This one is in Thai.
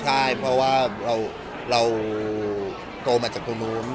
ใช่เพราะว่าเราโตมาจากตรงนู้น